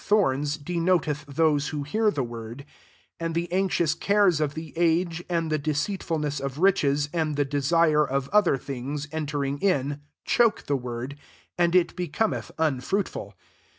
T9 thorns, denoteth those who hear the word; 19 arid the anxious cares of the age, and the deceitfulness of riches, and the desire of other things en tering in, choke the word ; and it becometh unfruitful.